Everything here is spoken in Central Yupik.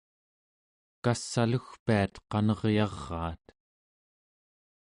kass'alugpiat qaneryaraat